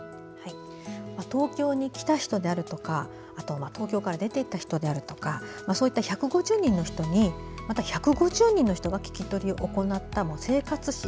東京に来た人であるとか東京から出て行った人であるとかそういった１５０人の人にまた１５０人の人が聞き取りを行った生活史。